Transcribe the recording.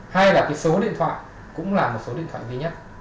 hai là cái số điện thoại cũng là một số điện thoại duy nhất